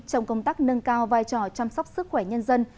trong công tác nâng cao vai trò chăm sóc sức khỏe nhân dân